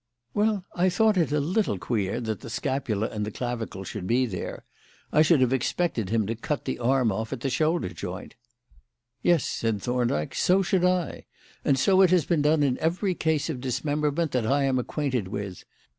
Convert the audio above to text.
"Well, I thought it a little queer that the scapula and clavicle should be there. I should have expected him to cut the arm off at the shoulder joint." "Yes," said Thorndyke; "so should I; and so it has been done in every case of dismemberment that I am acquainted with.